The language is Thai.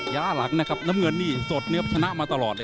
หลังนะครับน้ำเงินนี่สดเนื้อชนะมาตลอดเลย